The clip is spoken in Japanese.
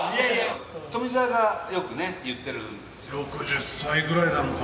富澤がよくね言ってるんですよ。